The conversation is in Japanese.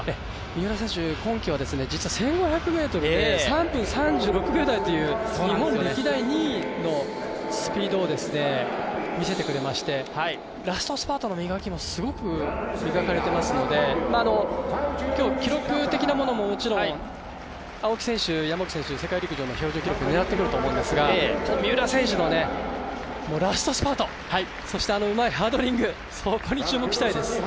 三浦選手、今季は１５００ｍで３分３６秒台という日本歴代２位のスピードを見せてくれましてラストスパートもすごく磨かれてますので今日、記録的なものももちろん、青木選手、山口選手、世界陸上の参加標準記録狙ってくると思うんですが三浦選手のラストスパートそしてうまいハードリングに注目したいです。